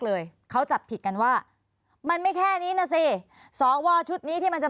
เลยเขาจับผิดกันว่ามันไม่แค่นี้นะสิสวชุดนี้ที่มันจะ